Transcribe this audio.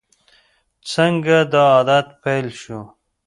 څنګه دا عادت پیل شو؟